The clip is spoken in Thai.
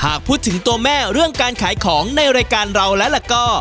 หากพูดถึงตัวแม่เรื่องการขายของในรายการเราแล้วก็